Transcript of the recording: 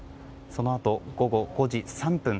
そのあと午後５時３分